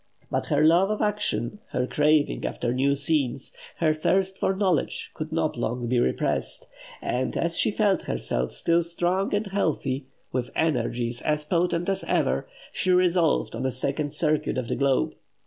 But her love of action, her craving after new scenes, her thirst for knowledge could not long be repressed; and as she felt herself still strong and healthy, with energies as potent as ever, she resolved on a second circuit of the globe.